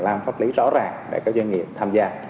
làm pháp lý rõ ràng để các doanh nghiệp tham gia